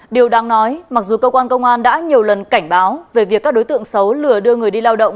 điều đáng nói mặc dù công an đã nhiều lần cảnh báo về việc các đối tượng xấu lừa đưa người đi lao động